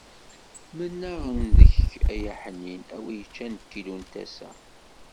Mennaɣ-n deg-k ay aḥnin, a wi yeččan kilu n tasa.